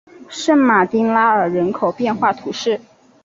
圣马丁拉尔人口变化图示